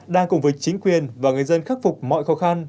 đang cùng với chính quyền và người dân khắc phục mọi khó khăn